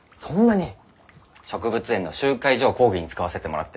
植物園の集会所を講義に使わせてもらってる。